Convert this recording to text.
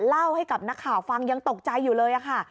เล่าให้กับนักข่าวฟังยังตกใจอยู่เลยค่ะ